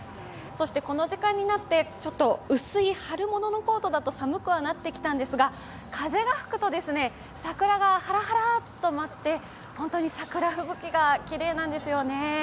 そしてこの時間になってちょっと薄い春物のコートだと寒くはなってきたんですが風が吹くと桜がはらはらと舞って本当に桜吹雪がきれいなんですよね。